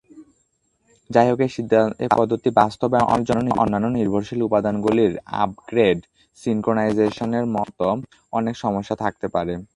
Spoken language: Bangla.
যাইহোক এই পদ্ধতি বাস্তবায়নের জন্য অন্যান্য নির্ভরশীল উপাদানগুলির আপগ্রেড/সিঙ্ক্রোনাইজেশনের মতো অনেক সমস্যা থাকতে পারে।